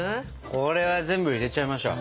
これは全部入れちゃいましょう。